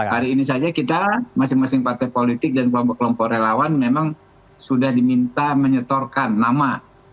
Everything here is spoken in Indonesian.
hari ini saja kita masing masing partai politik dan kelompok kelompok relawan memang sudah diminta menyetorkan nama